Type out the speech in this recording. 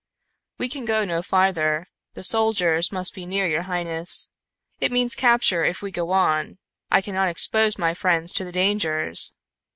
"We can go no farther. The soldiers must be near, your highness. It means capture if we go on. I cannot expose my friends to the dangers.